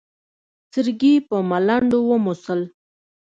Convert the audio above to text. سرګي په ملنډو وموسل.